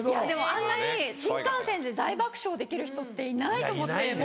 でもあんなに新幹線で大爆笑できる人っていないと思って。